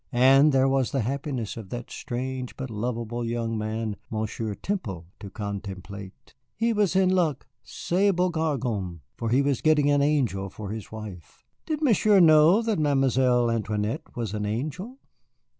And there was the happiness of that strange but lovable young man, Monsieur Temple, to contemplate. He was in luck, ce beau garçon, for he was getting an angel for his wife. Did Monsieur know that Mademoiselle Antoinette was an angel?